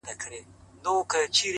• پرون دي بيا راڅه خوښي يووړله،